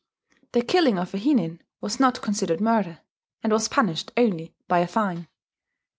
The killing of a hinin was not considered murder, and was punished only by a fine.